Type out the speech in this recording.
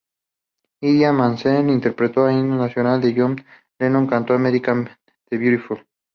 Idina Menzel interpretó el himno nacional, y John Legend cantó "America the Beautiful".